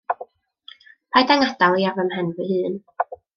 Paid â ngadael i ar fy mhen fy hun.